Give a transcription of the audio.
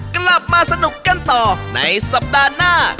กลับมาสนุกกันต่อในสัปดาห์หน้า